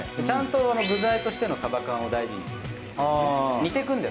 ちゃんと具材としてのサバ缶を大事にしてる。